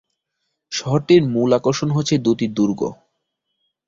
শহরটির মূল আকর্ষণ হচ্ছে দুটি দুর্গ।